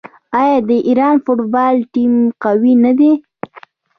آیا د ایران فوټبال ټیم قوي نه دی؟